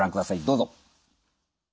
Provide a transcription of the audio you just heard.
どうぞ。